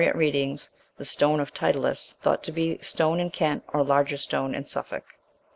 R. "The Stone of Titulus", thought to be Stone in Kent, or Larger stone in Suffolk.